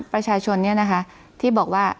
ประชาชนที่บอกว่า